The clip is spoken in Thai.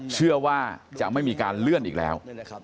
เชื่อว่าจะไม่มีการเลื่อนอีกแล้ว